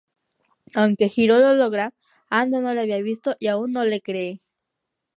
Aunque Hiro lo logra, Ando no le había visto y aún no le cree.